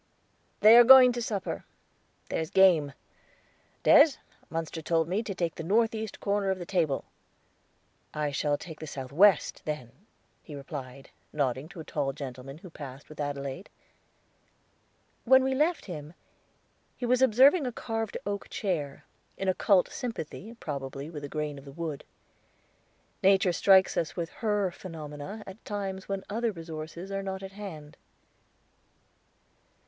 "They are going to supper. There's game. Des. Munster told me to take the northeast corner of the table." "I shall take the southwest, then," he replied, nodding to a tall gentleman who passed with Adelaide. When we left him, he was observing a carved oak chair, in occult sympathy probably with the grain of the wood. Nature strikes us with her phenomena at times when other resources are not at hand.